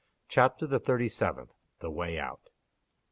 CHAPTER THE THIRTY SEVENTH. THE WAY OUT.